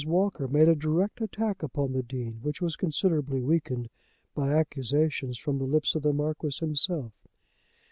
Walker made a direct attack upon the Dean, which was considerably weakened by accusations from the lips of the Marquis himself.